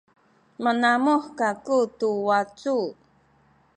manamuh kaku tu wacu